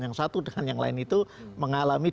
yang satu dengan yang lain itu mengalami